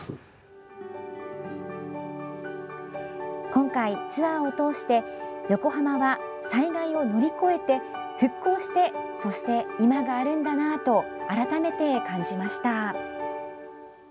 今回、ツアーを通して横浜は、災害を乗り越えて復興してそして今があるんだなと改めて感じました。